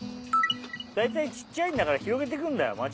大体ちっちゃいんだから広げてくんだよ